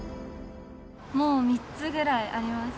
もう３つぐらいあります。